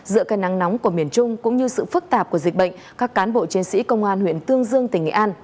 giữa cây nắng nóng của miền trung cũng như sự phức tạp của dịch bệnh các cán bộ chiến sĩ công an huyện tương dương tỉnh nghệ an